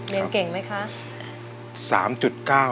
เรียนเก่งไหมคะ